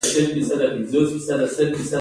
په دې برخه کې یوه هڅه کېږي.